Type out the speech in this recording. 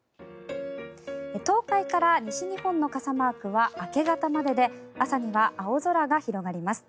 東海から西日本の傘マークは明け方までで朝には青空が広がります。